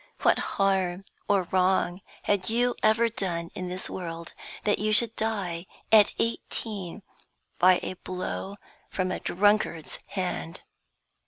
what harm or wrong had you ever done in this world, that you should die at eighteen by a blow from a drunkard's hand?